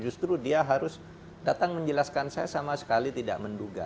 justru dia harus datang menjelaskan saya sama sekali tidak menduga